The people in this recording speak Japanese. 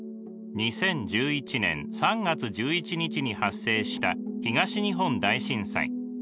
２０１１年３月１１日に発生した東日本大震災。